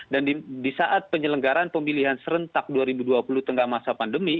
dan di saat penyelenggaran pemilihan serentak dua ribu dua puluh tengah masa pandemi